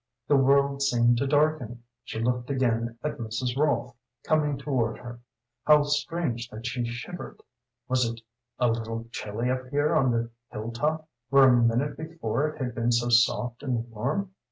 The world seemed to darken. She looked again at Mrs. Rolfe, coming toward her. How strange that she shivered! Was it a little chilly up here on the hill top where a minute before it had been so soft and warm?